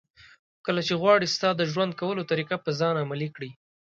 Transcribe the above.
کله چې غواړي ستا د ژوند کولو طریقه په ځان عملي کړي.